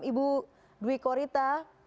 ibu dwi korita